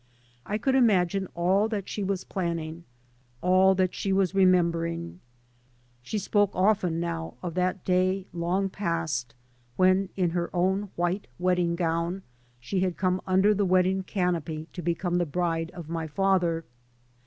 I could imagine all that she was planning, all that she was remembering. She spoke often now of that day long past when, in her own white wedding gown, she had come under the wedding canopy to be come the bride of my father.